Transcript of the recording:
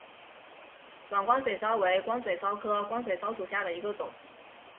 短光水蚤为光水蚤科光水蚤属下的一个种。